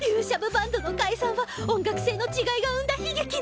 バンドの解散は音楽性の違いが生んだ悲劇ね。